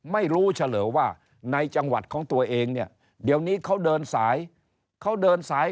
ไม่รู้เฉลิวว่าในจังหวัดของตัวเองเดี๋ยวนี้เขาเดินสาย